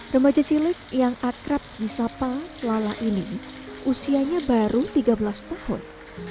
remaja cilik yang akrab di sapa lala ini usianya baru tiga belas tahun